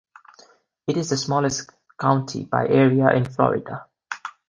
It is the smallest county by area in Florida.